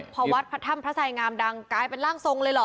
พอวัดพระถ้ำพระสายงามดังกลายเป็นร่างทรงเลยเหรอ